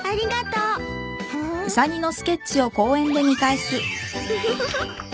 ウフフフ。